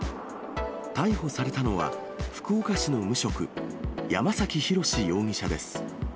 逮捕されたのは、福岡市の無職、山崎寛嗣容疑者です。